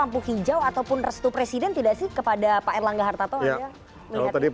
maksudnya pak jokowi